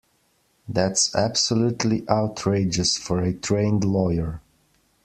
That's absolutely outrageous for a trained lawyer.